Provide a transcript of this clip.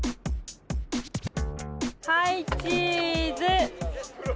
はいチーズ！